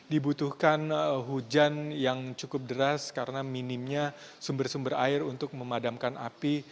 dibutuhkan hujan yang cukup deras karena minimnya sumber sumber air untuk memadamkan api